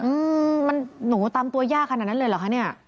อืมมันหนูตามตัวยากขนาดนั้นเลยเหรอคะเนี่ย